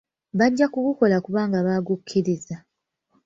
Bajja kugukola kubanga baagukkiriza.